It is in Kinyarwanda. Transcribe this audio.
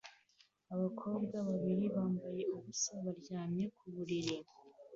Abakobwa babiri bambaye ubusa baryamye ku buriri